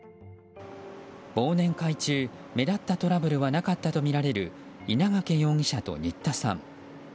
忘年会中、目立ったトラブルはなかったとみられる稲掛容疑者と新田さん。